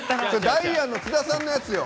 ダイアンの津田さんのやつよ。